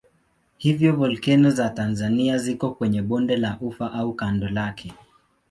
Hivyo volkeno za Tanzania ziko kwenye bonde la Ufa au kando lake.